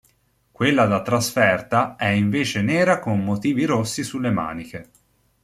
Quella da trasferta è invece nera con motivi rossi sulle maniche.